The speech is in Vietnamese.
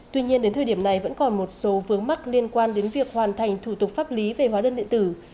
tuy nhiên đến thời điểm này vẫn còn một số vướng mắc liên quan đến việc hoàn thành thủ tục pháp lý về hóa đơn điện tử